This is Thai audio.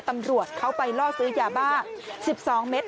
ตำรวจเขาไปล่อซื้อยาบ้า๑๒เมตร